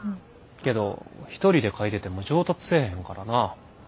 けど一人で書いてても上達せえへんからなぁ。